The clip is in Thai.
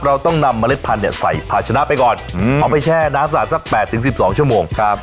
เราต้องนำเมล็ดพันธุ์เนี่ยใส่ผาชนะไปก่อนอืมเอาไปแช่น้ำสารสักแปดถึงสิบสองชั่วโมงครับ